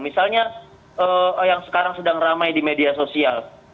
misalnya yang sekarang sedang ramai di media sosial